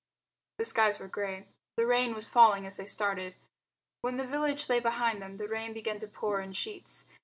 The skies were grey. The rain was falling as they started. When the village lay behind them the rain began to pour in sheets.